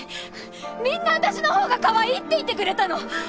みんな私のほうがかわいいって言ってくれたの！